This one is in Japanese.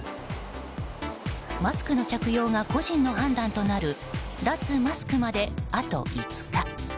マスクの着用が個人の判断となる脱マスクまであと５日。